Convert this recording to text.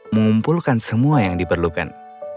mengumpulkan semua yang diperlukan